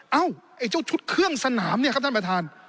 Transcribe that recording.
เอ้าไอ้เจ้าชุดเครื่องสนามเนี่ยครับท่านประธาน